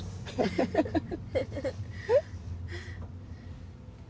フフフフ！